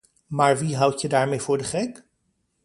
Maar wie houd je daarmee voor de gek?